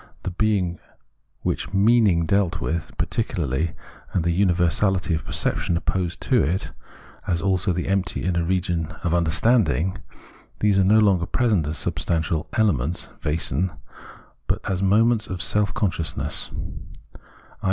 The being which " meaning " dealt with, particularity and the universahty of perception opposed to it, as also the empty, inner region of understanding — these are no longer present as sub stantial elements {Wesen), but as moments of seK consciousness, i.